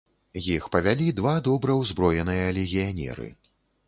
Іх павялі два добра ўзброеныя легіянеры.